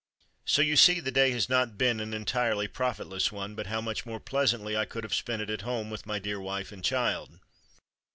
So you see the day has not been an entirely profitless one, but how much more pleasantly I could have spent it at home with my dear wife and child!